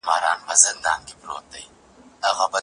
ستونزي د پرمختګ لپاره اړینې دي.